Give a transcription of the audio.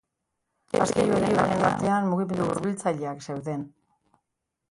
Azken bi joeren artean, mugimendu hurbiltzaileak zeuden.